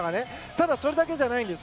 ただ、それだけじゃないんです。